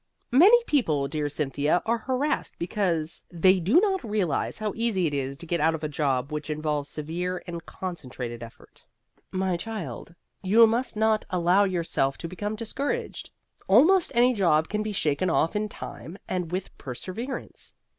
Many people, dear Cynthia, are harassed because they do not realize how easy it is to get out of a job which involves severe and concentrated effort. My child, you must not allow yourself to become discouraged. Almost any job can be shaken off in time and with perseverance.